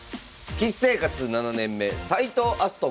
棋士生活７年目斎藤明日斗